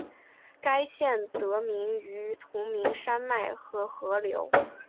该县得名于同名山脉和河流。